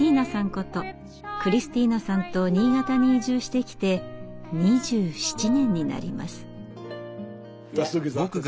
ことクリスティーナさんと新潟に移住してきて２７年になります。